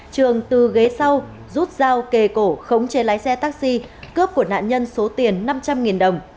trường từ ghế sau rút dao kề cổ khống chế lái xe taxi cướp của nạn nhân số tiền năm trăm linh đồng